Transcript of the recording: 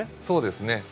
そうですね。